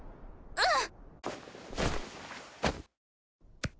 うん。